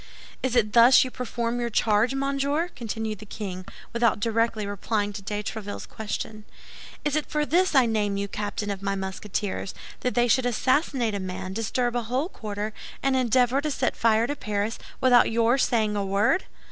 "Is it thus you perform your charge, monsieur?" continued the king, without directly replying to de Tréville's question. "Is it for this I name you captain of my Musketeers, that they should assassinate a man, disturb a whole quarter, and endeavor to set fire to Paris, without your saying a word?